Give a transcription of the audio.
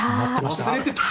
忘れてた。